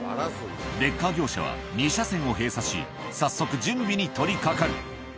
レッカー業者は２車線を閉鎖し、早速準備に取りかかる。